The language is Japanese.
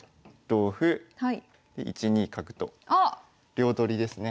両取りですね。